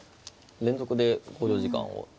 連続で考慮時間を。